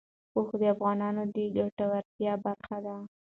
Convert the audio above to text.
اوښ د افغانانو د ګټورتیا برخه ده.